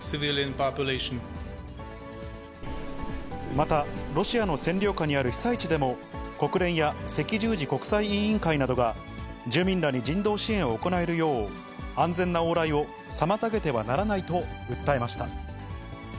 また、ロシアの占領下にある被災地でも、国連や赤十字国際委員会などが、住民らに人道支援を行えるよう、安全な往来を妨げてはならないと訴えました。